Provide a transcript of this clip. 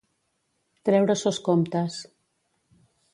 Treure sos comptes.